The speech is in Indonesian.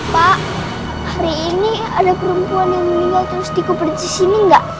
pak hari ini ada perempuan yang meninggal terus dikumpul disini gak